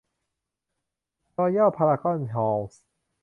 รอยัลพารากอนฮอลล์